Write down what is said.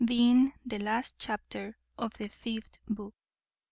_Being the last chapter of the fifth book.